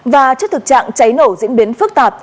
và trước thực trạng cháy nổ diễn biến phức tạp